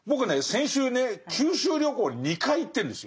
先週ね九州旅行に２回行ってるんです。